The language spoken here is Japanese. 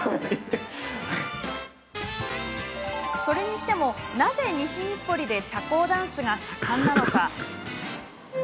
それにしてもなぜ、西日暮里で社交ダンスが盛んなのか？